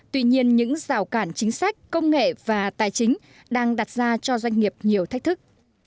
tuy nhiên những rào cản chính sách công nghệ và tài chính đang đặt ra cho doanh nghiệp nhiều thách thức